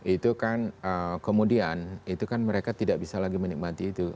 itu kan kemudian mereka tidak bisa lagi menikmati itu